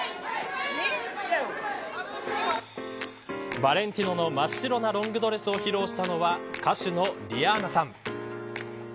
ヴァレンティノの真っ白なロングドレスを披露したのは歌手のリアーナさん。